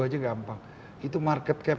dua puluh aja gampang itu market cap